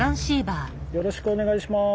よろしくお願いします。